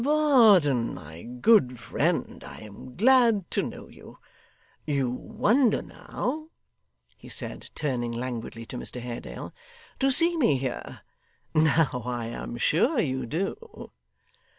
Varden, my good friend, I am glad to know you. You wonder now,' he said, turning languidly to Mr Haredale, 'to see me here. Now, I am sure you do.